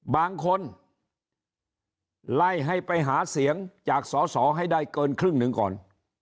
บางคนไล่ให้ไปหาเสียงจากสอสอให้ได้เกินครึ่งหนึ่งก่อน